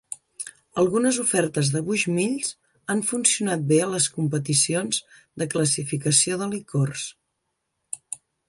Algunes ofertes de Bushmills han funcionat bé a les competicions de classificació de licors.